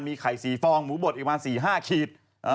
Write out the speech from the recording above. มีไข่๔ฟองหมูบดอีกประมาณ๔๕ขีด